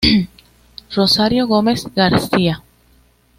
Rosario Gómez García.